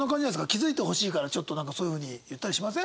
気づいてほしいからちょっとそういうふうに言ったりしません？